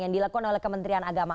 yang dilakukan oleh kementerian agama